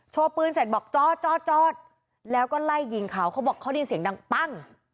ปืนเสร็จบอกจอดแล้วก็ไล่ยิงเขาเขาบอกเขาได้ยินเสียงดังปั้ง